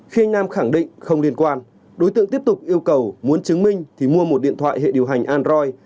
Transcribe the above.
khi anh nam khẳng định không liên quan đối tượng tiếp tục yêu cầu muốn chứng minh thì mua một điện thoại hệ điều hành android